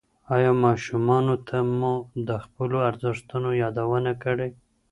ایا ماشومانو ته مو د خپلو ارزښتونو یادونه کړې؟